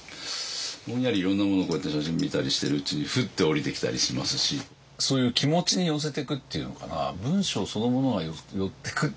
ぼんやりいろんなものをこうやって写真見たりしているうちにふって降りてきたりしますしそういう気持ちに寄せてくっていうのかな文章そのものが寄ってくっていう。